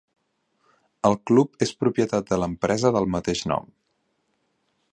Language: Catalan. El club és propietat de l'empresa del mateix nom.